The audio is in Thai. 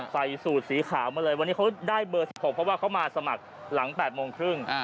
ใส่สูตรสีขาวมาเลยวันนี้เขาได้เบอร์๑๖เพราะว่าเขามาสมัครหลัง๘โมงครึ่ง